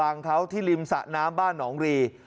อาบังเขาที่ริมสะนะบ้านหลองรี